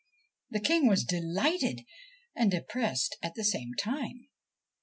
The King was delighted and depressed at the same time.